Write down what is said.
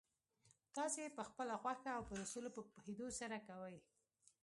تاسې يې پخپله خوښه او پر اصولو په پوهېدو سره کوئ.